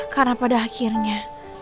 karena pada akhirnya